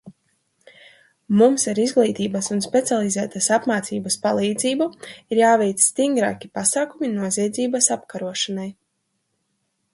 Mums ar izglītības un specializētas apmācības palīdzību ir jāveic stingrāki pasākumi noziedzības apkarošanai.